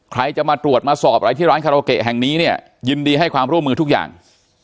ใครจะมาตรวจมาสอบอะไรที่ร้านคาราโอเกะแห่งนี้เนี่ยยินดีให้ความร่วมมือทุกอย่าง